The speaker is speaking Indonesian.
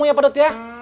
kamu ya pedut ya